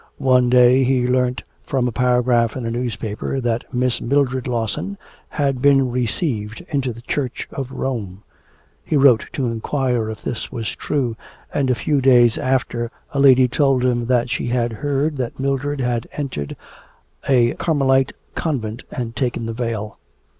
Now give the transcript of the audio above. One day he learnt from a paragraph in a newspaper that Miss Mildred Lawson had been received into the Church of Rome, he wrote to inquire if this was true, and a few days after a lady told him that she had heard that Mildred had entered a Carmelite convent and taken the veil.